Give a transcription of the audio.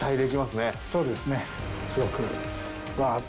すごく。